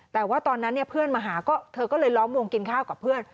แต่ว่าตอนนั้นเพื่อนมาหาก็เธอก็เลยล้อมวงกินข้าวกับเพื่อน